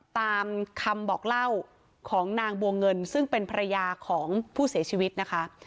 ตามคำบอกเล่าของนางบัวเงินซึ่งเป็นภรรยาของผู้เสียชีวิตนะคะ